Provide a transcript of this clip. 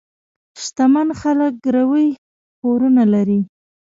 شتمن خلک ګروۍ پورونه لري.